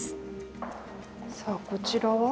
さあこちらは？